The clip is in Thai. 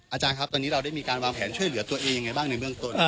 อาจารย์ครับตอนนี้เราได้มีการวางแผนช่วยเหลือตัวเองยังไงบ้างในเบื้องต้น